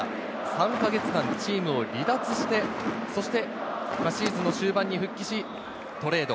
３か月間チームを離脱して、そしてシーズンの終盤に復帰し、トレード。